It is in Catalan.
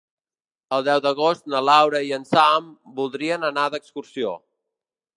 El deu d'agost na Laura i en Sam voldria anar d'excursió.